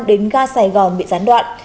đến ga sài gòn bị gián đoạn